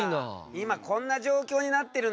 今こんな状況になってるんだぞ。